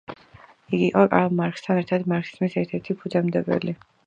იგი იყო კარლ მარქსთან ერთად მარქსიზმის ერთ-ერთი ფუძემდებელი.